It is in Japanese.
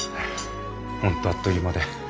本当あっという間で。